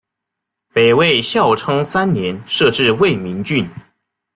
北魏孝昌三年设置魏明郡。